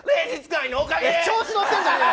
調子乗ってんじゃねえよ